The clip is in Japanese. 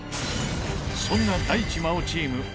そんな大地真央チーム